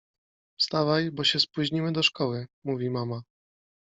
— Wstawaj, bo się spóźnimy do szkoły — mówi mama.